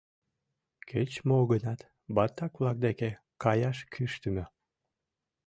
Кеч-мо гынат, баттак-влак деке каяш кӱштымӧ.